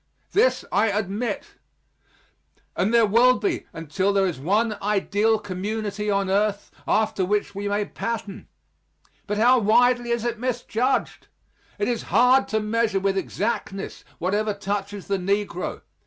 This I admit. And there will be until there is one ideal community on earth after which we may pattern. But how widely is it misjudged! It is hard to measure with exactness whatever touches the negro.